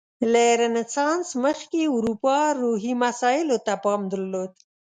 له رنسانس مخکې اروپا روحي مسایلو ته پام درلود.